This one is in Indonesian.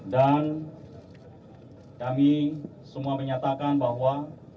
kami semua menyatakan bahwa